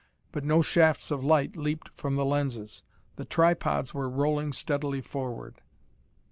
But no shafts of light leaped from the lenses. The tripods were rolling steadily forward.